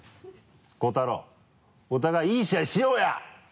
瑚太郎お互いいい試合しようや！